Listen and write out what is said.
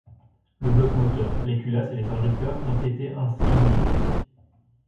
Le bloc moteur, les culasses et les injecteurs ont été ainsi modifiés.